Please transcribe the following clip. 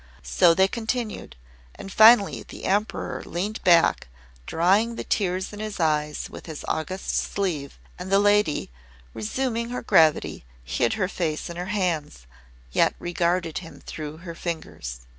So they continued, and finally the Emperor leaned back, drying the tears in his eyes with his august sleeve, and the lady, resuming her gravity, hid her face in her hands, yet regarded him through her fingers.